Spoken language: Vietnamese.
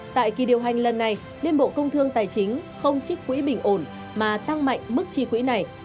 tại kỳ điều hành lần này liên bộ công thương tài chính không trích quỹ bình ổn mà tăng mạnh mức chi quỹ này